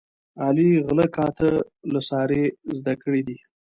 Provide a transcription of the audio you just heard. علي غله کاته له سارې زده کړي دي.